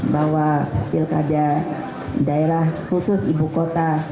bahwa pilkada daerah khusus ibu kota